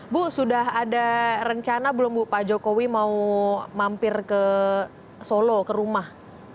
mbak ada rencana belum bapak jokowi mau mampir ke solo ke rumah